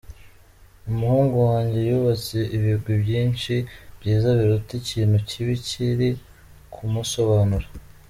Umuhungu wanjye yubatse ibigwi byinshi byiza biruta ikintu kibi kiri kumusobanura.